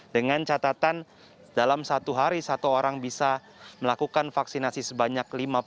dengan catatan dalam satu hari satu orang bisa melakukan vaksinasi sebanyak lima puluh